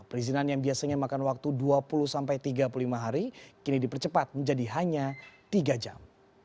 perizinan yang biasanya makan waktu dua puluh tiga puluh lima hari kini dipercepat menjadi hanya tiga jam